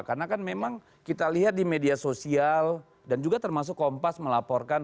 karena kan memang kita lihat di media sosial dan juga termasuk kompas melaporkan